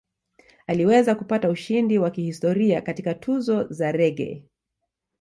Aliweza kupata ushindi wa kihistoria katika Tuzo za Reggae